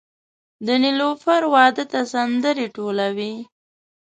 د نیلوفر واده ته سندرې ټولوي